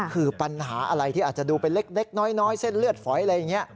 คือปัญหาอะไรที่อาจจะดูเป็นเล็กน้อยเส้นเลือดฝอยอะไรอย่างนี้